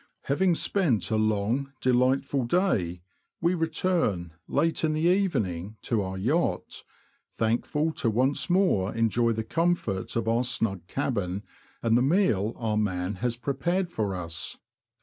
Having spent a long, delightful day, we return, late in the evening, to our yacht, thankful to once more enjoy the comfort of our snug cabin and the meal our man has prepared for us.